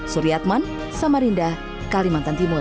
surya atman samarinda kalimantan timur